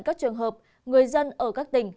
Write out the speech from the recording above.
các trường hợp người dân ở các tỉnh